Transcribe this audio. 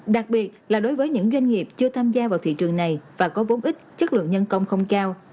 đặc biệt là đối với những doanh nghiệp chưa tham gia vào thị trường này và có vốn ít chất lượng nhân công không cao